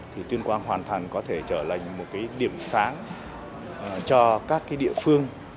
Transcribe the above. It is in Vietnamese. thì tuyên quang hoàn thành có thể trở thành một điểm sáng cho các địa phương